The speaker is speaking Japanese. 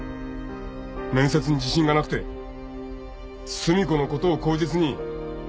面接に自信がなくて寿美子のことを口実に逃げ出したか！